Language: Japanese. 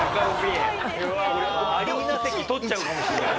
俺アリーナ席とっちゃうかもしれない。